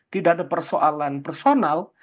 tidak ada persoalan personal